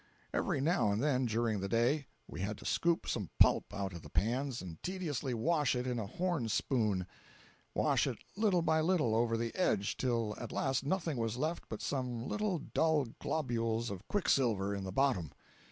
Every now and then, during the day, we had to scoop some pulp out of the pans, and tediously "wash" it in a horn spoon—wash it little by little over the edge till at last nothing was left but some little dull globules of quicksilver in the bottom.